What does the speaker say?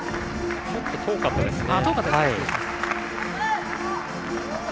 ちょっと遠かったですね。